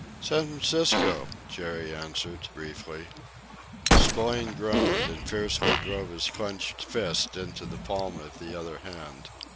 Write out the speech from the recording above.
"San Francisco," Jerry answered, briefly. Spillane groaned, and fiercely drove his clenched fist into the palm of the other hand.